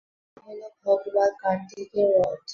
ময়ূর হলো ভগবান কার্তিকের রথ।